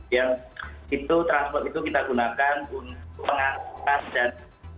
yang itu transport itu kita gunakan untuk pengangkutan dan